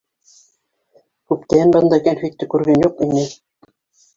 Күптән бындай кәнфитте күргән юҡ ине.